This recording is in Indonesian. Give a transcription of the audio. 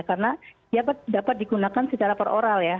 karena dia dapat digunakan secara per oral ya